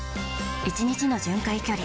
１日の巡回距離